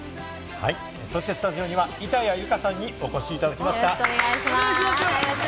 そしてスタジオには板谷由夏さんにお越しいただきました。